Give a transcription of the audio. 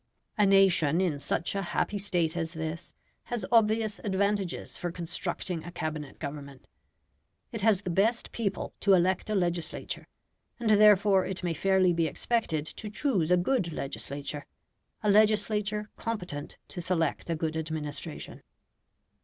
A nation in such a happy state as this has obvious advantages for constructing a Cabinet government. It has the best people to elect a legislature, and therefore it may fairly be expected to choose a good legislature a legislature competent to select a good administration.